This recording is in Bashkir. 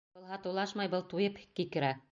Был һатыулашмай, был туйып кикерә.